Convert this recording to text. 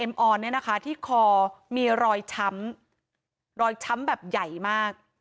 ออนเนี่ยนะคะที่คอมีรอยช้ำรอยช้ำแบบใหญ่มาก